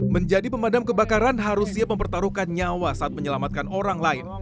menjadi pemadam kebakaran harus siap mempertaruhkan nyawa saat menyelamatkan orang lain